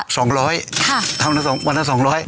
สองร้อยวันละสองร้อย